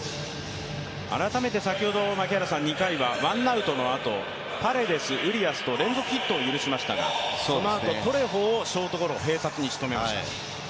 改めて先ほど、２回はワンアウトのあとパレデス、ウリアスと連続ヒットを許しましたがそのあとトレホをショートゴロ、併殺に仕留めました。